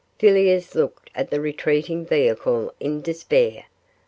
Villiers looked at the retreating vehicle in despair.